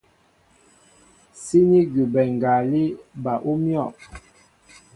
Síní gúbɛ ngalí bal ú myɔ̂.